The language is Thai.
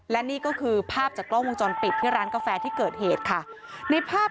และนี่ก็คือภาพจากกล้องวงจรปิดที่ร้านกาแฟที่เกิดเหตุค่ะในภาพ